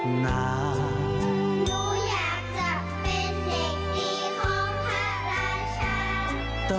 หนูอยากจะเป็นเพลงดีของพระราชา